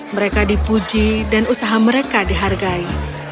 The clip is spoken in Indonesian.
mereka dipuji dan usaha mereka dihargai